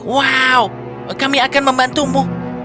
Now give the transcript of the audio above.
wow kami akan membantumu